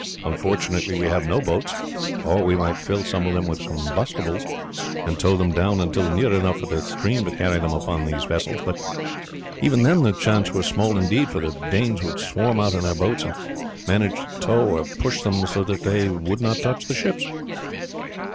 Unfortunately we have no boats, or we might fill some of them with combustibles, and tow them down until near enough for the stream to carry them upon those vessels; but even then the chance were small indeed, for the Danes would swarm out in their boats and manage to tow or push them so that they would not touch the ships."